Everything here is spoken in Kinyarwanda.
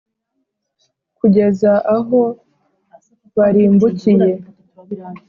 kugeza aho barimbukiye.